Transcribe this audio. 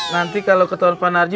nanti kalo ketauan panarji